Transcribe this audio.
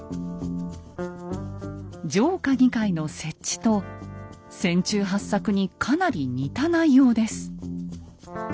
上下議会の設置と船中八策にかなり似た内容です。